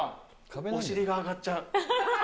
お尻が上がっちゃう。